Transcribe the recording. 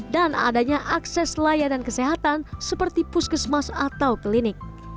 dan adanya akses layanan kesehatan seperti puskesmas atau klinik